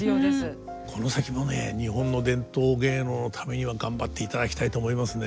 この先もね日本の伝統芸能のためには頑張っていただきたいと思いますね。